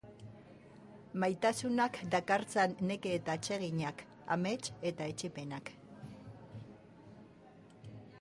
Maitasunak dakartzan neke eta atseginak, amets eta etsipenak.